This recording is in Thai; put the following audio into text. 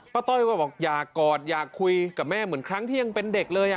ต้อยก็บอกอยากกอดอยากคุยกับแม่เหมือนครั้งที่ยังเป็นเด็กเลย